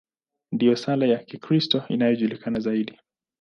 Ndiyo sala ya Kikristo inayojulikana zaidi.